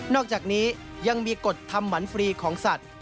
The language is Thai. อกจากนี้ยังมีกฎทำหมันฟรีของสัตว์